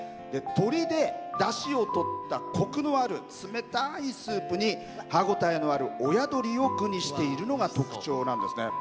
鶏で、だしを取ったコクのある冷たいスープに歯応えのある親鶏を具にしているのが特徴なんですね。